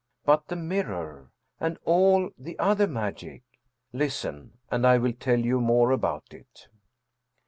But the mirror? and all the other magic? Listen, and I will tell you more about it.